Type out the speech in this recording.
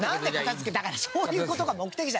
だからそういう事が目的じゃ。